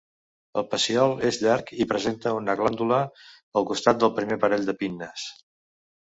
El pecíol és llarg i presenta una glàndula al costat del primer parell de pinnes.